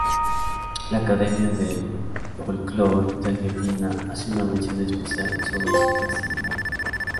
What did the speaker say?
La Academia del Folklore de Argentina hace una mención especial sobre "Casi nada.